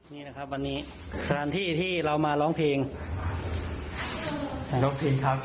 นี่แหละครับวันนี้สถานที่ที่เรามาร้องเพลงร้องเพลงครับ